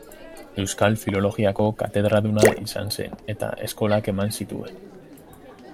Euskal Filologiako katedraduna izan zen, eta eskolak eman zituen.